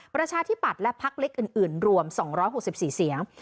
ประชาธิบัติและพักเล็กอื่นรวมสองร้อยหกสิบสี่เสียง